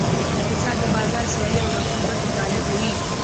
اقتصاد د بازار سیالۍ او رقیبت مطالعه کوي.